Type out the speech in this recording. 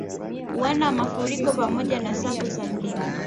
Uwanda wa mafuriko pamoja na safu za milima